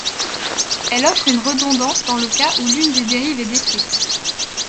Elle offre une redondance dans le cas où l'une des dérives est détruite.